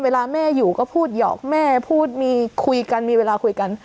เวลาแม่อยู่ก็พูดหยอกแม่พูดมีคุยกันมีเวลาคุยกัน